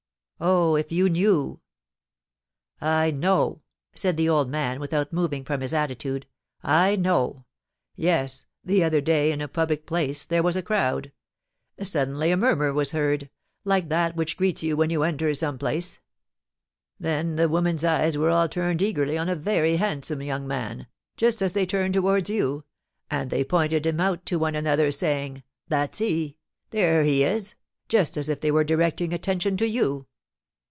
oh, if you knew " "I know," said the old man, without moving from his attitude, "I know. Yes, the other day, in a public place, there was a crowd; suddenly a murmur was heard, like that which greets you when you enter some place; then the women's eyes were all turned eagerly on a very handsome young man, just as they are turned towards you, and they pointed him out to one another, saying, 'That's he! There he is!' just as if they were directing attention to you."